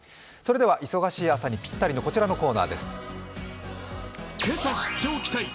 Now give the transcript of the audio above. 忙しい朝にぴったりのこちらのコーナーです。